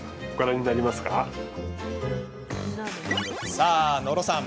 さあ、野呂さん